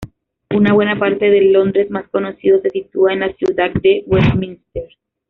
Una buena parte del Londres más conocido se sitúa en la ciudad de Westminster.